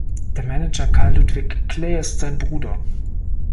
Der Manager Karl-Ludwig Kley ist sein Bruder.